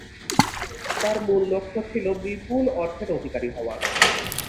তার মূল লক্ষ্য ছিল বিপুল অর্থের অধিকারী হওয়া।